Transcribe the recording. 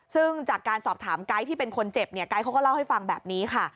ซึ่งจากการสอบถามไก๊ที่เป็นคนเจ็บเนี่ยไกด์เขาก็เล่าให้ฟังแบบนี้ค่ะ